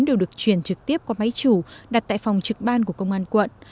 đều được truyền trực tiếp qua máy chủ đặt tại phòng trực ban của công an quận